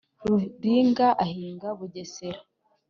ruringa agahiga bugesera.”